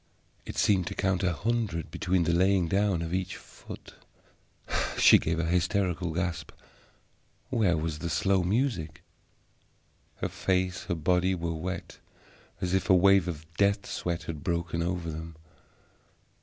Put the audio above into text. It seemed to count a hundred between the laying down of each foot. She gave a hysterical gasp. Where was the slow music? Her face, her body, were wet as if a wave of death sweat had broken over them.